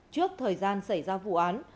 trước thời gian xảy ra vụ án